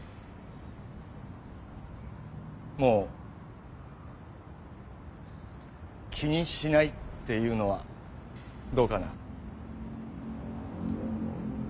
もう「気にしない」っていうのはどうかな？